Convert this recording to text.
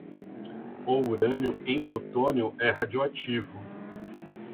O urânio em plutônio é radioativo.